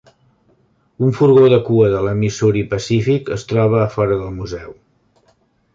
Un furgó de cua de la Missouri Pacific es troba a fora del museu.